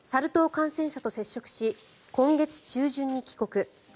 感染者と接触し今月中旬に帰国。